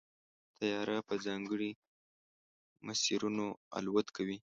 طیاره په ځانګړو مسیرونو الوت کوي.